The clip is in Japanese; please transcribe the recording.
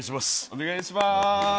お願いします。